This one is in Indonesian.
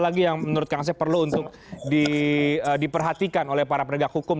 lagi yang menurut kang asep perlu untuk diperhatikan oleh para penegak hukum